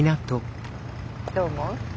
どう思う？